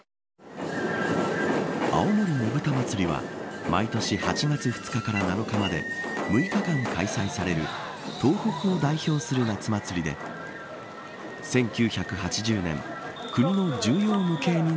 青森ねぶた祭は毎年８月２日から７日まで６日間開催される東北を代表する夏祭りで１９８０年国の重要無形民俗